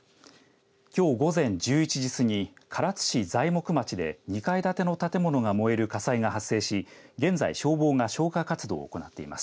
きょう午前１１時過ぎ唐津市材木町で２階建ての建物が燃える火災が発生し現在、消防が消火活動を行っています。